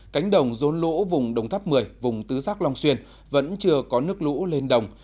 cánh đồng rôn lũ vùng đồng tháp một mươi vùng tứ giác long xuyên vẫn chưa có nước lũ lên đồng